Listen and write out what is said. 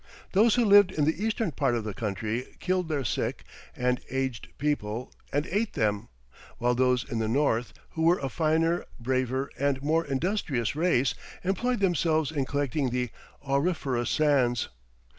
Those who lived in the eastern part of the country killed their sick and aged people, and ate them, while those in the north, who were a finer, braver, and more industrious race, employed themselves in collecting the auriferous sands.